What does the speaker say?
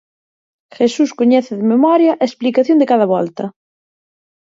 Jesús coñece de memoria a explicación de cada volta.